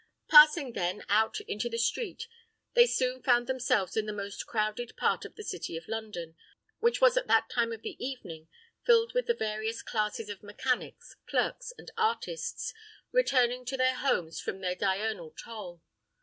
Passing, then, out into the street, they soon found themselves in the most crowded part of the city of London, which was at that time of the evening filled with the various classes of mechanics, clerks, and artists, returning to their homes from their diurnal toil.